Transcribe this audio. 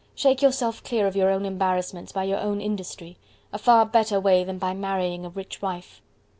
Shake yourself clear of your own embarrassments by your own industry a far better way than by marrying a rich wife."